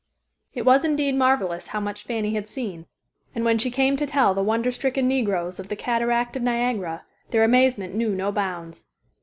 It was indeed marvelous how much Fanny had seen, and when she came to tell the wonder stricken negroes of the cataract of Niagara, their amazement knew no bounds.